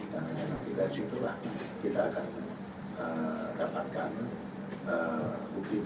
karena yang nanti dari situlah kita akan dapatkan bukti